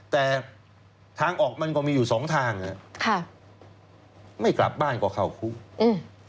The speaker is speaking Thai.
แต่ทางออกมันก็มีอยู่สองทางอ่ะค่ะไม่กลับบ้านก็เข้าคุกอืม